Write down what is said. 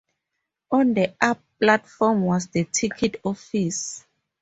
On the up platform was the ticket office.